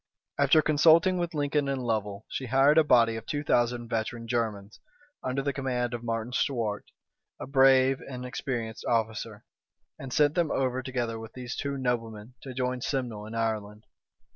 {1487.} After consulting with Lincoln and Lovel she hired a body of two thousand veteran Germans, under the command of Martin Swart, a brave and experienced officer; [*] and sent them over, together with these two noblemen, to join Simnel in Ireland.